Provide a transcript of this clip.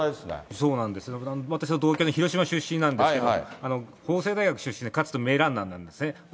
そうなんですよ、私は広島出身なんですけど、法政大学出身で、かつての名ランナーなんですね。